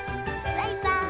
バイバイ。